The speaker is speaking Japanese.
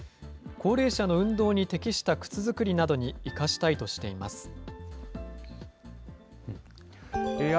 高齢者の運動に適した靴作りなどに生かしたいとしています。